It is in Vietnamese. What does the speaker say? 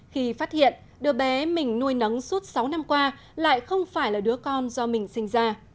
khi phát hiện đứa bé mình nuôi nắng suốt sáu năm qua lại không phải là đứa con do mình sinh ra